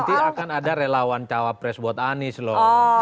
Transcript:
nanti akan ada relawan cawapres buat anies loh